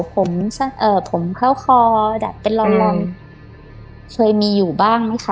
ผมเอ่อผมเข้าคอดัดเป็นลอมลองเคยมีอยู่บ้างไหมคะ